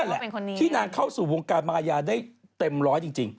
แหละที่นางเข้าสู่วงการมาอายาได้เต็มร้อยจริง